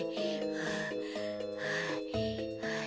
はあはあ。